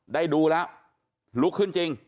ได้ดูแล้วลุกขึ้นจริง